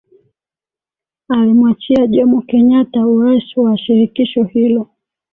Alimwachia Jomo Kenyatta urais wa Shirikisho hilo